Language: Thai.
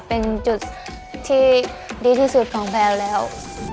เป็นจุดที่ดีที่สุดของแพลวแล้ว